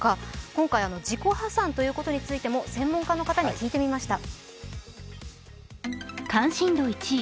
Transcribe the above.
今回自己破産ということについても専門家の方に聞いてみました。